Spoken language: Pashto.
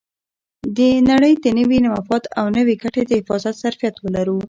د نړۍ د نوي مفاد او نوې ګټې د حفاظت ظرفیت ولرو.